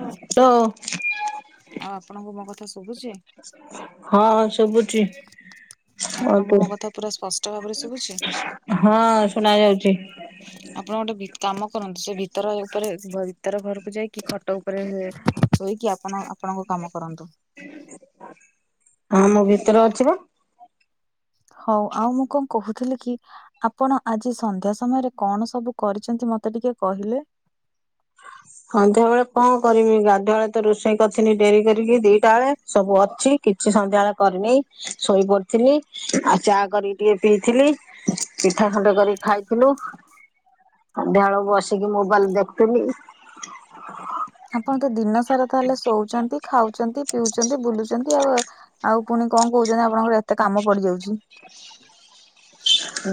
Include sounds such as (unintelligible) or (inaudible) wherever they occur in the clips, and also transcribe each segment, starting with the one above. ଆଉ ହ୍ୟାଲୋ ଆପଣଙ୍କୁ ମୋ କଥା ଶୁବୁଚି? ହଁ ହଁ ସବୁ ଠିକ। ହଁ ଆପଣଙ୍କୁ ତୁ ମୋ କଥା ପୁରା ସ୍ପଷ୍ଟ ଭାବରେ ଶୁଭୁଛି ହଁ ଶୁନା ଯାଉଚି। ଆପଣ ଗୋଟେ ଭି କାମ କରନ୍ତୁ ସେ ଭିତର ଏ ଉପରେ ଭିତର ଘରକୁ ଯାଇକି ଖଟ ଉପରେ ଶୋଇକି ଆପଣ ଆପଣଙ୍କ କାମ କରନ୍ତୁ। ହଁ ମୁଁ ଭିତରେ ଅଛି ବା। ହଉ ଆଉ ମୁଁ କଣ କହୁଥିଲି କି। ଆପଣ ଆଜି ସନ୍ଧ୍ୟା ସମୟରେ କଣ ସବୁ କରିଛନ୍ତି ମତେ ଟିକେ କହିଲେ? ସଂଧ୍ୟା ବେଳେ କଣ କରିବି ଗାଧୁଆ ତ ରୋଷେଇ କରିଥିଲି ଡେରି କରିକି ଦିଟା ବେଳେ ସବୁ ଅଛି କିଛି ସନ୍ଧ୍ୟା ବଳେ କରିନି ଶୋଇପଡିଥିଲି। ଆ ଚା କରିକି ଟିକେ ପିଇଥିଲି ପିଠା ଖଣ୍ଡେ କରିକି ଖାଇଥିଲୁ। ସଂଧ୍ୟା ବେଳକୁ ବସିକି ମୋବାଇଲ ଦେଖଥିଲି। ଆପଣ ତ ଦିନ ସାରା ତାହେଲେ ଶୋଉଚନ୍ତି ଖାଉଚନ୍ତି ପିଉ ଚନ୍ତି ବୁଲୁଚନ୍ତି ଆଉ ଆଉ ପୁଣି କଣ କହୁଛନ୍ତି ଆପଣଙ୍କର ଏତେ କାମ ପଡିଯାଉଛି।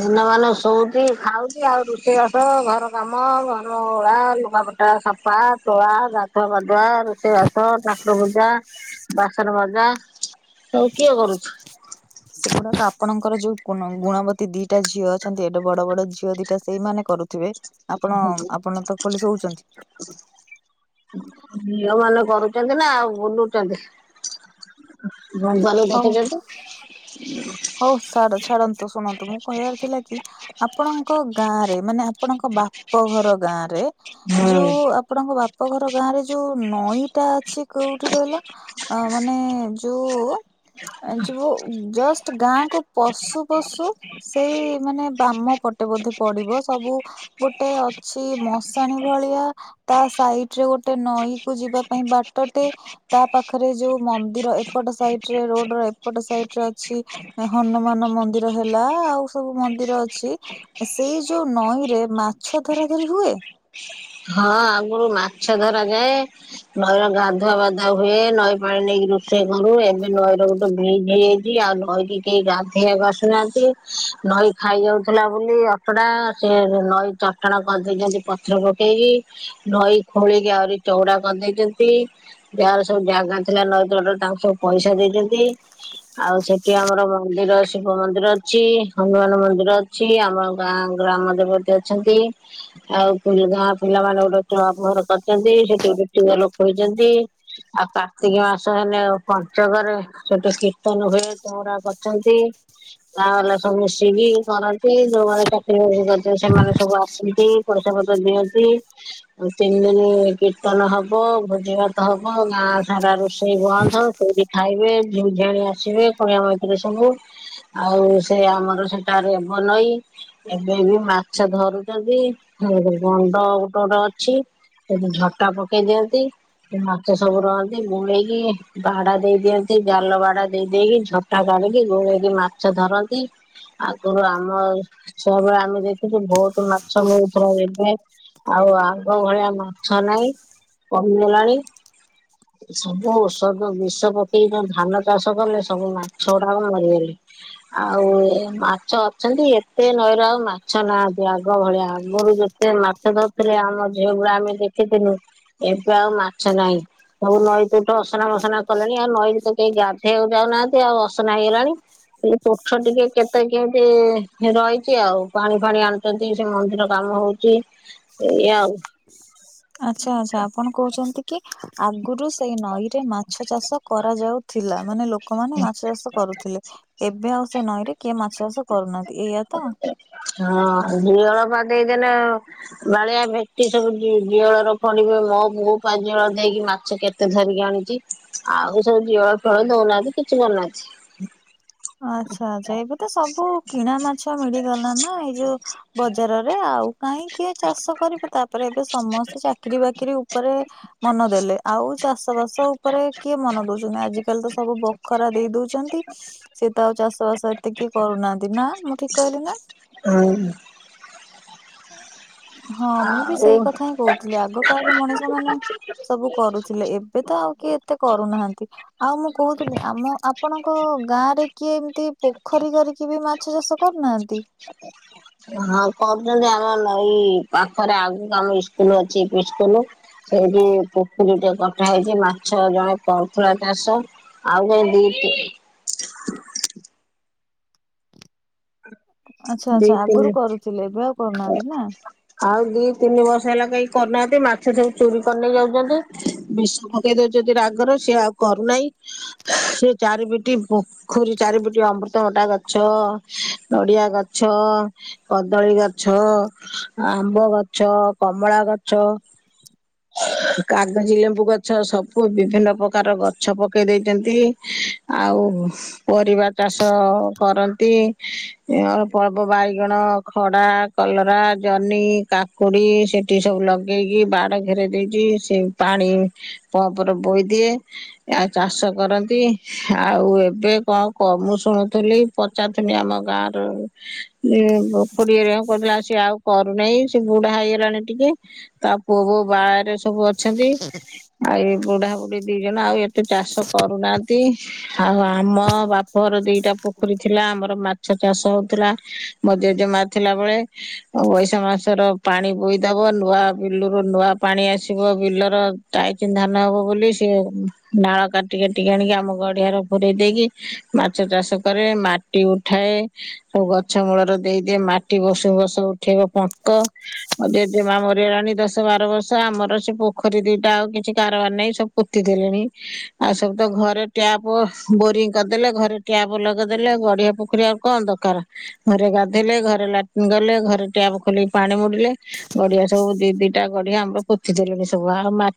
ଦିନମାନ ଶୋଉଚି ଖାଉଚି ଆଉ ରୋଷେଇ ବାସ ଘର କାମ ଘର ଓଳା ଲୁଗାପ ଟା ସଫା ତୋଳା ଗାଧୁଆ ପାଧୁଆ ରୋଷେଇ ବାସ ଠାକୁର ପୂଜା। ବାସନ ମଜା ସବୁ କିଏ କରୁଛି? ସେଗୁଡାକ ଆପଣଙ୍କର ଯୋଉ ଗୁନ ଗୁଣବତୀ ଦିଟା ଝିଅ ଅଛନ୍ତି ଏଡେ ବଡ ବଡ ଝିଅ ଦିଟା ସେଇମାନେ କରୁଥିବେ। ଆପଣ ଆପଣ ତ ଖୋଲି ଶୋଉଚନ୍ତି। (inaudible) ଝିଅ ମାନେ କରୁଚନ୍ତି ନା ଆଉ ବୁଲୁଚନ୍ତି। ହଉ (unintelligible) ହଉ ଛାଡ ଛାଡନ୍ତୁ ଶୁଣନ୍ତୁ ମୁଁ କହିବାର ଥିଲା କି। ଆପଣଙ୍କ ଗାଁରେ ମାନେ ଆପଣଙ୍କ ବାପ ଘର ଗାଁରେ ହୁଁ। ଯୋଉ ଆ ଆପଣଙ୍କ ବାପ ଘର ଗାଁ ରେ ଯୋଉ ନଈଟା ଅଛି କୋଉଠି କହିଲ? ଅ ମାନେ ଯୁ ଅ ଯୁ ଜଷ୍ ଟ ଗାଁ କୁ ପଶୁ ପଶୁ ସେଇ ମାନେ ବାମ ପଟେ ବୋଧେ ପଡିବ ସବୁ। ଗୋଟେ ଅଛି ମଶାଣୀ ଭଳିଆ। ତା ସାଇଟ ରେ ଗୋଟେ ନଈ କୁ ଯିବା ପାଇଁ ବାଟଟେ। ତା ପାଖରେ ଯୋଉ ମନ୍ଦିର ଏପଟ ସାଇଟ୍ ରେ ରୋଡ୍ ର ଏପଟ ସାଇଟ୍ ରେ ଅଛି। ହନୁମାନ ମନ୍ଦିର ହେଲା ଆଉ ସବୁ ମନ୍ଦିର ଅଛି। ସେଇ ଯୋଉ ନଈ ରେ ମାଛ ଧରା ଧରି ହୁଏ? ହଁ ଆଗୁରୁ ମାଛ ଧରା ଯାଏ। ନଈର ଗାଧୁଆବାଧୁଆ ହୁଏ ନଈ ପାଣି ନେଇକି ରୋଷେଇ କରୁ ଏବେ ନଈରେ ଗୋଟେ। (unintelligible) ଆଉ ନଈକି କେଇ ଗାଧେଇବାକୁ ଆସୁନାହାନ୍ତି। ନଈ ଖାଇ ଯାଉଥିଲା ବୋଲି ଅ (unintelligible) ସେ ନଈ ଚଟାଣ କରିଦେଇଚନ୍ତି ପଛକୁ। କେହି ନଈ ଖୋଳିକି ଆହୁରି ଚଉଡା କରଦେଇଚନ୍ତି। ଯାହାର ସବୁ ଜାଗା ଥିଲା ନଈ ତୁଟରେ ତାଙ୍କୁ ସବୁ ପଇସା ଦେଇଚନ୍ତି। ଆଉ ସେଠି ଆମର ମନ୍ଦିର ଶିବ ମନ୍ଦିର ଅଛି, ହନୁମାନ ମନ୍ଦିର ଅ ଅଛି। ଆମ ଗାଁ ଗ୍ରାମ ଦେବତୀ ଅଛନ୍ତି। ଆଉ କୁଲ ଗାଁ ପିଲାମାନେ ଗୋଟେ (unintelligible) କରିଚନ୍ତି। ସେଠି (unintelligible) ଲୋକ ହେଇଚନ୍ତି। ଆଉ କାର୍ତ୍ତିକି ମାସ ହେଲେ, ପଞ୍ଚକରେ ସେଟେ କୀର୍ତ୍ତନ ହୁଏ ଚଉଁରା କରିଛନ୍ତି। ଗାଁ ବାଲା ସବୁ ମିଶିକି କରନ୍ତି। ଯୋଉମାନେ ଚାକିରି ବାକିରି କରଚନ୍ତି, ସେମାନେ ସବୁ ଆସନ୍ତି। ପଇସା ପତ୍ର ଦିଅନ୍ତି। ଆଉ ତିନି ଦିନି କୀର୍ତ୍ତନ ହବ, ଭୋଜି ଭାତ ହବ, ଗାଁ ସାରା ରୋଷେଇ ବନ୍ଦ ହଉ ସେଇଠି ଖାଇବେ, ଝିଅଝିଆଣି ଆସିବେ, କଣିଆ ମାଇପିଲେ ସବୁ। ଆଉ ସେ ଆମର ସେଟା ରେ ବ ନଈ ଏବେ ବି ମାଛ ଧରୁଚନ୍ତି। ହୁଁ ଉଁ ଉଁ ଗଣ୍ଡ ଗୋଟେ ଗୋଟେ ଅଛି। ସେଠି ଝଟା ପକେଇଦିଅନ୍ତି। (unintelligible) ମାଛ ସବୁ ରହନ୍ତି। ବୁଳେଇକି ବାହାଡା ଦେଇଦିଅନ୍ତି। ଜାଲ ବାଡା ଦେଇ ଦେଇକି ଝ (unintelligible) ଗୋଳେଇକି ମାଛ ଧରନ୍ତି। ଆଗରୁ ଆମ ଛୁଆବେଳେ ଆମେ ଦେଖୁଚୁ ବହୁତ୍ ମାଛ (unintelligible) ହୁଏ। ଆଉ ଆଗ ଭଳିଆ ମାଛ ନାଇଁ, କମିଗଲାଣି। ସବୁ ଔଷଧ ବିଷ ପକେଇ ଯଉ ଧାନ ଚାଷ କଲେ ସବୁ ମାଛ ଗୁଡା ମରିଗଲେ। ଆଉ ଏ ମାଛ ଅଛନ୍ତି। ଏତେ ନଈର ଆଉ ମାଛ ନାହାନ୍ତି ଆଗ ଭଳିଆ ଆଗରୁ ଯେ ସେ ମାଛ ଧଉଥିଲେ ଆମ ଝିଅଗୁଡା ଆମେ ଦେଖିଥିନୁ। ଏବେ ଆଉ ମାଛ ନାହିଁ। ସବୁ ନଈ ତୁଠ ଅସନାମସନା କଲେଣି ଆଉ ନଈରେ ତ କେହି ଗାଧେଇବାକୁ ଯାଉନାହାନ୍ତି ଆଉ ଅସନା ହେଇଗଲାଣି। ଏଇ ତୁଠ ଟିକେ କେତେ କେମିତି ରହିଚି ଆଉ ପାଣିଫାଣି ଆଣ୍ ଚନ୍ତି, ସେ ମନ୍ଦିର କାମ ହଉଚି ଏଇଆ ଆଉ। ଆଚ୍ଛା ଆଚ୍ଛା, ଆପଣ କହୁଚନ୍ତି କି ଆଗରୁ ସେଇ ନଈରେ ମାଛ ଚାଷ କରାଯାଉଥିଲା। ମାନେ ଲୋକମାନେ ମାଛ ଚାଷ କରୁଥିଲେ ଏବେ ଆଉ ସେ ନଈରେ କିଏ ମାଛ ଚାଷ କରୁନାହାନ୍ତି, ଏଇଆ ତ। ହଁ। (unintelligible) ବାଳିଆ, ଭେଟି ସବୁ ଜ ଜିଅଳର ଫଡିବେ ମୋ ପୁଅ ପାଞ୍ଜଳ ଦେଇକି ମାଛ କେତେ ଧରିକି ଆଣିଚି। ଆଉ ସବୁ ଜିଅଳଫିଅଳ ଦଉନାହାନ୍ତି କିଛି କରୁନାହାନ୍ତି। ଆଚ୍ଛା ଆଚ୍ଛା। ଏବେ ତ ସବୁ କିଣା ମାଛ ମିଳିଗଲା ନା ଏଇ ଯୋଉ ବଜାରରେ ଆଉ କାହିଁ କିଏ ଚାଷ କରିବେ? ତାପରେ ଏବେ ସମସ୍ତେ ଚାକିରୀବାକିରି ଉପରେ ମନ ଦେଲେ ଆଉ ଚାଷ୍ ଷ ବାସ ଉପରେ କିଏ ମନ ଦଉଚନ୍ତି? ଆଜିକାଲି ତ ସବୁ ବଖରା ଦେଇଦଉଚନ୍ତି। ସେ ତ ଆଉ ଚାଷବାସ ଏତେ କିଏ କରୁନାହାନ୍ତି। ନା ମୁଁ ଠିକ୍ କହିଲି ନା? ହୁଁ। ହଁ ମୁଁ ବି ଆଉ ସେଇ କଥା ହିଁ କହୁଥିଲି। ଆଗ କାଳର ମଣିଷ ମାନେ ସବୁ କରୁଥିଲେ। ଏବେ ତ ଆଉ କିଏ ଏତେ କରୁନାହାନ୍ତି। ଆଉ ମୁଁ କହୁଥିଲି ଆମ ଆପ୍ ଆପଣଙ୍କ ଗାଁରେ କିଏ ଏମିତି ପୋଖରୀ କରିକି ବି ମାଛ ଚାଷ କରିନାହାନ୍ତି? ହଁ କରୁଚନ୍ତି ଆମ ନଈ ପାଖରେ ଆଗକୁ ଆମ ଇସ୍କୁଲୁ ଅଛି ଇସ୍କୁଲୁ ସେଇଠି ପୋଖରୀ ଟେ କଟା ହେଇଚି ମାଛ ଜଣେ କରୁଥୁଲା ଚାଷ। ଆଉ କାଇଁ ଦି ତି ଆଚ୍ଛା ଦି ଆଚ୍ଛା ଆଗରୁ ତିନି କରୁଥିଲେ ଏବେ ଆଉ କରୁନାହାନ୍ତି ନା। ଆଉ ଦି ତିନି ବର୍ଷ ହେଲା କେଇ କରୁନାହାନ୍ତି, ମାଛ ସବୁ ଚୋରି କରିନେଇ ଯାଉଚନ୍ତି। ବିଷ୍ ଶ ପକେଇ ଦଉଚନ୍ତି ରାଗରେ, ସିଏ ଆଉ କରୁନାଇଁ। ସେ ଚାରିପିଟି ପୋ ଖରୀ ଚାରିପଟେ ଅମୃତ ଭଣ୍ଡା ଗଛ, ନଡିଆ ଗଛ କଦଳୀ ଗଛ, ଆମ୍ବ ଗଛ, କମଳା ଗଛ କାଗଜି ଲେମ୍ବୁ ଗଛ ସବୁ ବିଭିନ୍ନ ପ୍ରକାର ଗଛ ପକେଇ ଦେଇଛନ୍ତି। ଆଉ ପରିବା ଚାଷ କରନ୍ତି। ଆ ସବୁ ବାଇଗଣ, ଖଡ଼ା, କଲରା, ଜହ୍ନି, କାକୁଡି ସେ ତିକି ସବୁ ଲଗେଇକି ବାଡ ଘେରେଇ ଦେଇଚି, ସେ ପାଣି ପମ୍ପରେ ବୋହି ଦିଏ। ଆଉ ଚାଷ କରନ୍ତି, ଆଉ ଏବେ କଣ କ ମୁଁ ଶୁଣୁଥିଲି ପଚାରୁଥିନି ଆମ ଗାଁରୁ ଏ ଖୁଡି ହେରାଙ୍କୁ କହୁଥିଲା ସେ ଆଉ କରୁ ନାହିଁ, ସେ ବୁଢା ହେଇଗଲାଣି ଟିକେ। ତା ପୁଅ ବୋହୂ ବାହାରେ ସବୁ ଅଛନ୍ତି। ଆଉ ଏ ବୁଢାବୁଢୀ ଦି ଜଣ ଆଉ ଏତେ ଚାଷ କରୁନାହାନ୍ତି। ଆଉ ଆମ ବାପଘର ଦିଟା ପୋଖରୀ ଥିଲା, ଆମର ମାଛ ଚାଷ ହଉ ଥିଲା, ମୋ ଜେଜେମା ଥିଲା ବେଳେ ଆଉ ବୈଶାଖ ମାସର ପାଣି ବୋଇ ଦବ, ନୂଆ ବିଲର ନୂଆ ପାଣି ଆସିବ ବିଲର ଟାଇଚି ଧାନ ହବ ବୋଲି ସେ ନାଳ କାଟିି କାଟିକି ଆଣିକି, ଆମ ଗଡିଆରେ ପୁରେଇ ଦେଇକି ମାଛ ଚାଷ କରେ, ମାଟି ଉଠାଏ। ସବୁ ଗଛ ମୂଳରେ ଦେଇଦିଏ, ମାଟି ବର୍ଷକୁ ବର୍ଷ ଉଠେଇବ ପଙ୍କ। ମୋ ଜେଜେମା ମରିଗଲାଣି ଦଶ ବାର ବର୍ଷ, ଆମର ସେ ପୋଖରୀ ଦିଟା ଆଉ କିଛି କାରବାର ନାହିଁ ସବୁ ପୋତି ଦେଲେଣି, ଆଉ ସବୁ ତ ଘରେ ଟ୍ୟାପ ବୋରିଂ କରିଦେଲେ। ଘରେ ଟ୍ୟାପ୍ ଲଗେଇଦେଲେ, ଆଉ ଗଡିିଆ ପୋଖରୀ ଆଉ କଣ ଦରକାର? ଘରେ ଗାଧୋଇଲେ, ଘରେ ଲାଟିନ୍ ଗଲେ, ଘରେ ଟ୍ୟାପ୍ ଖୋଲିକି ପାଣି ମୋଡିଲେ, ଗଡିଆ ସବୁ ଦି ଦିଟା ଗଡିଆ ଆମର ପୋତି ଦେଲେଣି ସବୁ। ଆଉ ମାଛ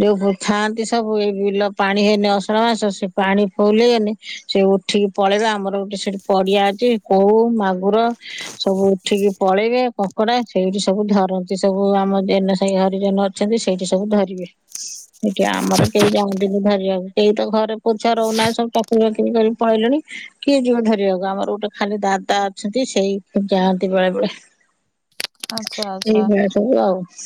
ଯୋଉ ଥାନ୍ତି ସବୁ, ଏଇ ବିଲ ପାଣି ହେଇନି ଅସାଢ ମାସ ସେ ପାଣି ଫୁଲୁ ହେଇଗନେ, ସେ ଉଠିକି ପଳେଇବେ। ଆମର ଗୋଟେ ସେଠି ପଡିଆ ଅ ଛି କଉ, ମାଗୁର ସବୁ ଉଠିକି ପଳେଇବେ, କଙ୍କଡା ସେଇଠି ସବୁ ଧରନ୍ତି ସବୁ ଆମ ଯେନା ସାହି ହରିଜନ ଅଛନ୍ତି ସେଇଠି ସବୁ ଧରିବେ, ଏଇଠିଆମର କେହି ଯାଆନ୍ତିନି ଧରିଆକୁ। କେଇ ତ ଘରେ ପୁଅ ଛୁଆ ରହୁନାହାନ୍ତି, ସବୁ ଚାକିରି ବାକିରି କରି ପଳେଇଲେଣି। କିଏ ଯିବ ଧରିବାକୁ? ଆମର ଗୋଟେ ଖାଲି ଦାଦା ଅଛନ୍ତି, ସେଇ ଯାଆନ୍ତି ବେଳେବେଳେ। ଆଚ୍ଛା ଆଚ୍ଛା ସବୁ ଆଉ।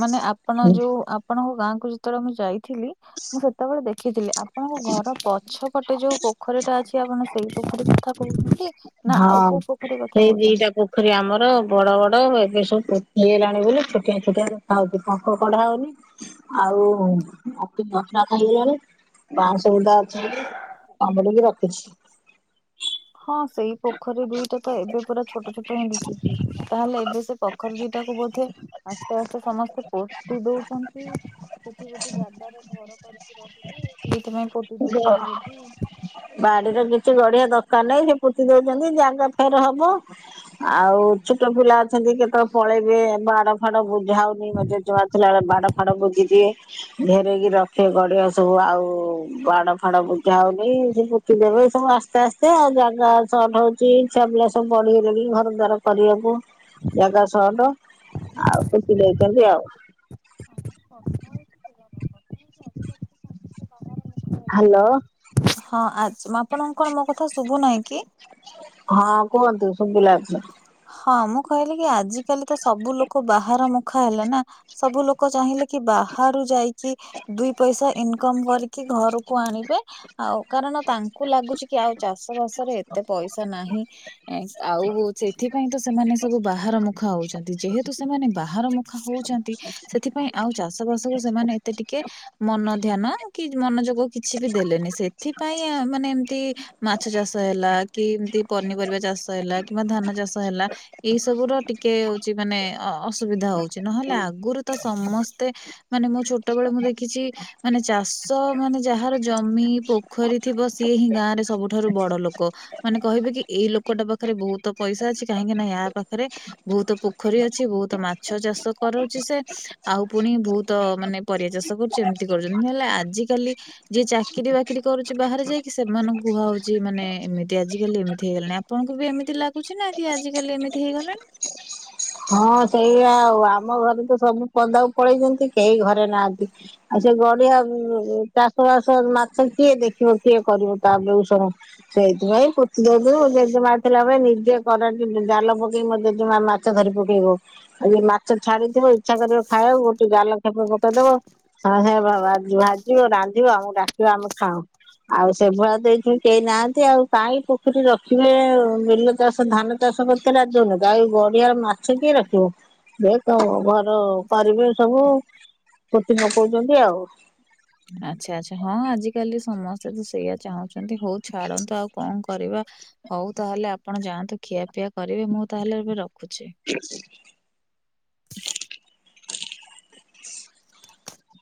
ମାନେ ଆପଣ ଯୋଉ ଆ ଆପଣଙ୍କ ଗାଁକୁ ଯେତେବେଳେ ମୁଁ ଯାଇଥିଲି, ମୁଁ ସେତେବେଳେ ଦେଖିଥିଲି ଆପଣଙ୍କ ଘର ପଛ ପଟେ ଯୋଉ ପୋଖରୀଟା ଅଛି, ଆପଣ ସେଇ ପୋଖରୀ କଥା କହୁଛନ୍ତି? ନା ହଁ ଆଉ କୋଉ ପୋଖରୀ କଥା ସେଇ କହୁଛନ୍ତି? ଦିଟା ପୋ ଖରୀ ଆମର ବଡ ବଡ। ଏବେ ସବୁ ପୋତି ହେଇଗଲାଣି ବୋଲି, ଛୋଟିଆ ଛୋଟିଆ ଦେଖା ହଉଛି ପଙ୍କ କଢା ହଉନି। ଆଉ ମାଟି (unintelligible) ଖାଇଗଲା ବାଉଁଶବୁଦା ଅଛି ବୋଲି, କାମୁଡିକି ରଖିଛି। ହଁ ସେଇ ପୋଖରୀ ଦୁଇଟା ତ ଏବେ ପୁରା ଛୋଟ ଛୋଟ ହିଁ ଦିଶୁଛି, ତାହେଲେ ଏବେ ସେ ପୋଖରୀ ଦିଇଟାକୁ ବୋଧେ ଆସ୍ତେ ଆସ୍ତେ ସମସ୍ତେ ପୋତି ଦଉଛନ୍ତି, କିଛି କିଛି ଜାଗାରେ ଘର କରି (unintelligible) ସେଥିପାଇଁ ପୋତି ଦଉଛନ୍ତି ବୋଧେ ଆଉ। ବାଡିରେ କିଛି ଗଡିଆ ଦରକାର ନାହିଁ, ସେ ପୋତି ଦଉଛନ୍ତି ଜାଗା ଫେର ହବ। ଆଉ ଛୋଟ ପିଲା ଅଛନ୍ତି କେତେବେଳେ ପଳେଇବେ, ବାଡ ଫାଡ ବୁ ଯା ହଉନି, ମୋ ଜେଜେମା ଥିଲା ବେଳେ ବାଡ ଫାଡ ବୁଜିି ଦିଏ। ଘେରେଇକି ରଖେ ଗଡିଆ ସବୁ ଆଉ ବାଡ ଫାଡ ବୁଝା ହଉନି ସେ ପୁତି ଦେବେ ଏ ସବୁ ଆସ୍ତେ ଆସ୍ତେ ଆଉ ଜାଗା ସଟ ହଉଚି। ଚି ଛୁଆପିଲା ସବୁ ବଢିଗଲେଣି ଘର ଦ୍ୱାର କରିବାକୁ। ଜାଗା ସଅଟ ଆଉ ପୁତି ଦେଇଚନ୍ତି ଆଉ। (unintelligible) ହ୍ୟାଲୋ। ହଁ ଆଜ୍ ମା ଆପଣଙ୍କୁ କଣ ମୋ କଥା ଶୁଭୁ ନାହିଁ କି? ହଁ କୁହନ୍ତୁ ଶୁବିଲା ଏଥର। ହଁ ମୁଁ କହିଲି କି ଆଜି କାଲି ତ ସବୁ ଲୋକ ବାହାର ମୁଖା ହେଲେ ନା। ସବୁ ଲୋକ ଚାହିଁଲେ କି ବାହାରୁ ଯାଇକି - - ଦୁଇ ପଇସା ଇନକମ କରିକି ଘରକୁ ଆଣିବେ। ଆଉ କାରଣ ତାଙ୍କୁ ଲାଗୁଛି କି ଆଉ ଚାଷ ବାସରେ ଏତେ ପଇସା ନାହିଁ? ଆଉ ହଉଛ ଏଥିପାଇଁ ତ ସେମାନେ ସବୁ ବାହାର ମୁଖା ହେଉଚନ୍ତି। ଯେହେତୁ ସେମାନେ ବାହାର ମୁଖା ହେଉଚନ୍ତି। ସେଥିପାଇଁ ଆଉ ଚାଷ ବାସ କୁ ସେମାନେ ଏତେ ଟିକେ ମନ ଧ୍ୟାନ- - କି ମନୋଯୋଗ କିଛି ବି ଦେଲେନି ସେଥିପାଇଁ ମାନେ ଏମିତି- - ମାଛ ଚାଷ ହେଲା କି ଏମତି ପନିପରିବା ଚାଷ ହେ- - ହେଲା କିମ୍ବା ଧାନ ଚାଷ ହେଲା ଏଇ ସବୁ ର ଟିକେ ହଉଚି ମାନେ ଅ - - ସୁବିଧା ହଉଚି ନହେଲେ ଆଗରୁ ତ ସମସ୍ତେ ମାନେ ମୁଁ ଛୋଟ ବେଳେ ମୁଁ ଦେଖିଚି - - ମାନେ ଚାଷ ମାନେ ଯାହାର ଜମି ପୋଖରୀ ଥିବ ସିଏ ହିଁ ଗାଁ ରେ ସବୁଠାରୁ ବଡ ଲୋକ ମାନେ କହିବେ କି ଏଇ ଲୋକଟା ପାଖରେ ବହୁତ ପଇସା ଅଛି। କାହିଁକି ନାଇଁ ୟା ପାଖରେ- - ବହୁତ ପୋଖରୀ ଅଛି ବହୁତ ମାଛ ଚାଷ କରାଉଚି। ସେ ଆଉ ପୁଣି ବହୁତ ମାନେ ପରିବା ଚାଷ କରୁଚି। ଏମିତି କରୁଚନ୍ତି ନହେଲେ ଆଜିକାଲି ଯିଏ ଚାକିରି ବାକିରି କରୁଛି ବାହାରେ ଯାଇକି ସେମାନଙ୍କୁ କୁହା ହଉଚି। ମାନେ ଏମିତି ଆଜିକାଲି ଏମିତି ହେଇଗଲାଣି। ଆପଣଙ୍କୁ ବି ଏମିତି ଲାଗୁଛି ନା କି ଆଜିକାଲି ଏମିତି ହେଇଗଲାଣି। ହଁ ସେଇ ଆଉ ଆମ ଘରେ ତ ସବୁ ପଦାକୁ ପଳେଇଚନ୍ତି କେହି ଘରେ ନାହାନ୍ତି। ଆ ସେ ଗଡିଆ ଆଉ ଚାଷ ବାସ- - କିଏ ଦେଖିବ କିଏ କରିବ ତା ବେଗୁ ସଣ ସେଇଥିପାଇଁ- - ଜେଜୁ ଜେଜେମା ଥିଲାବେଳେ ନିଜେ କର ଜାଲ ପକେଇ ମ ଜେଜେମା ମାଛ ଧରି ପକେଇବ। ଆ ମାଛ ଛାଡିଥିବ ଇଚ୍ଛା କରିବ ଖାଇବାକୁ ଗୋଟେ ଜାଲେପ ଗୋଟେ ପକେଇ ଦବ। ସାଙ୍ଗେ ସାଙ୍ଗେ ଭା ଭାଜିବ ରାନ୍ଧିବ ଆମକୁ ଡାକିବା ଆମେ ଖାାଉ। ଆଉ ସେଭଳିଆ ତ ଏଇଠି କେହି ନାହାନ୍ତି ଆଉ କାହିଁ ପୋଖରୀ ରଖିବେ ବିଲ ଚାଷ ଧାନ - - ଚାଷ କରିଥିଲେ ଆଦ୍ୟ ରୁ ଗାଇ ଗ ଏ ମାଛ କି ରଖିବୁ ଏ ଘର କରିବେ ସବୁ- - ପୋତି ପକାଉଚନ୍ତି ଆଉ। ଆଚ୍ଛା ଆଚ୍ଛା ହଁ ଆଜିକାଲି ସମସ୍ତେ ତ ସେଇଆ ଚାହୁଁଚନ୍ତି। ହଉ ଛାଡନ୍ତୁ ଆଉ କଂ କରିବା। ହଉ ତାହେଲେ ଆପଣ ଯାଆନ୍ତୁ ଖିଆପିଆ କରିବେ ମୁଁ ତାହେଲେ ଏବେ ରଖିଚି। (unintelligible)